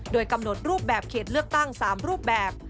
โดยกำหนดรูปแบบเขตเลือกตั้ง๓รูปแบบ